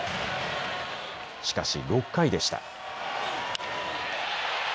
しかし６回でした。